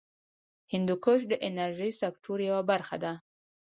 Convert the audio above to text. هندوکش د انرژۍ سکتور یوه برخه ده.